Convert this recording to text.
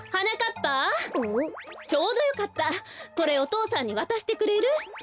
ちょうどよかったこれお父さんにわたしてくれる？